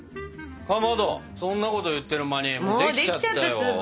かまどそんなこと言ってる間にもうできちゃったよ。